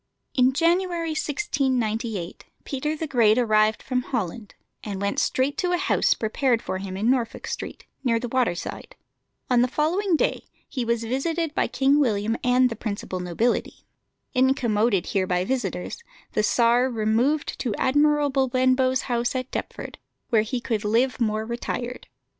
In January 1698 Peter the Great arrived from Holland, and went straight to a house prepared for him in Norfolk Street, near the water side. On the following day he was visited by King William and the principal nobility. Incommoded here by visitors, the Czar removed to Admiral Benbow's house at Deptford, where he could live more retired.